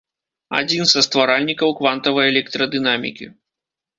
Адзін са стваральнікаў квантавай электрадынамікі.